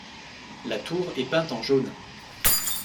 La tour est peinte en jaune.